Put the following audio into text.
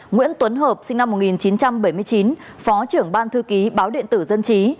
nguyễn tuấn hợp sinh năm một nghìn chín trăm bảy mươi chín phó trưởng ban thư ký báo điện tử dân trí